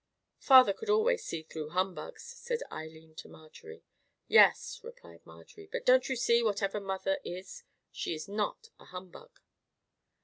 "Father could always see through humbugs," said Eileen to Marjorie. "Yes," replied Marjorie; "but don't you see whatever mother is she is not a humbug?"